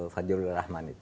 fadjirul rahman itu